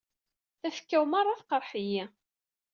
Tafekka-w merra tqerreḥ-iyi.